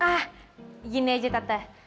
eh ah gini aja tante